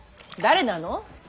誰なの？